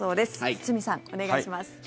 堤さん、お願いします。